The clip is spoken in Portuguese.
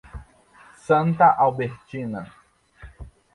Santa Albertina